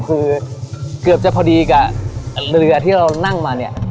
คือเกือบจะพอดีกับเรือที่เรานั่งมาเนี่ย